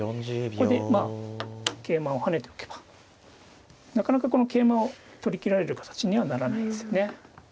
これでまあ桂馬を跳ねておけばなかなかこの桂馬を取り切られる形にはならないですよね。